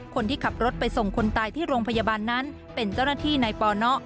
คนที่ขับรถไปส่งคนตายที่โรงพยาบาลนั้นเป็นเจ้าหน้าที่ในปน